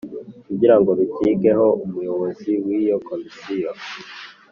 Kugirango rukigeho umuyobozi w iyo komisiyo